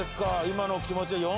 今の気持ちは。